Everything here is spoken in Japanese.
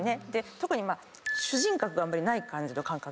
特に主人格があまりない感じの感覚